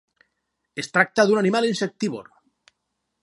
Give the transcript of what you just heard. Es tracta d'un animal insectívor.